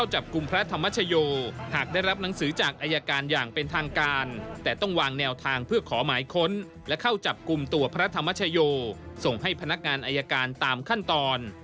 ให้พนักงานอายการตามขั้นตอน